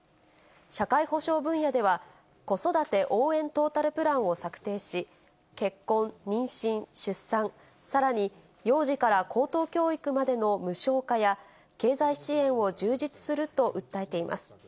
社会保障分野では、子育て応援トータルプランを策定し、結婚、妊娠、出産、さらに幼児から高等教育までの無償化や、経済支援を充実すると訴えています。